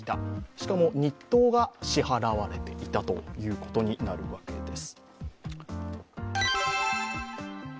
しかも、日当が支払われていたということになるわけです。